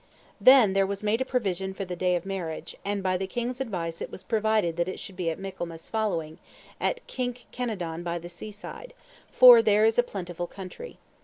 Then there was made a provision for the day of marriage; and by the king's advice it was provided that it should be at Michaelmas following, at Kink Kenadon by the seaside, for there is a plentiful country.